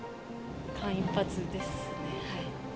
間一髪ですね。